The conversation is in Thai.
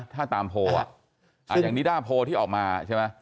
ถ้าตามโพลอย่างนิด้าโพลที่ออกมาใช่ไหม